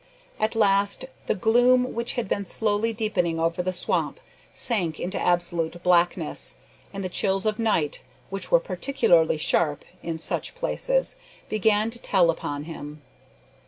At last the gloom which had been slowly deepening over the swamp sank into absolute blackness, and the chills of night, which were particularly sharp in such places, began to tell upon him.